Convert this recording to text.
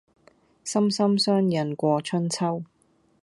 心心相印過春秋